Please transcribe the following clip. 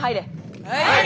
はい！